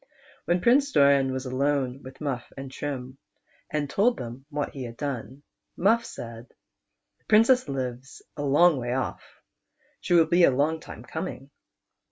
When Prince Doran was alone with Muff and Trim, and told them what he had done, Muff said, " The Princess lives a long way off; she will be a long time coming.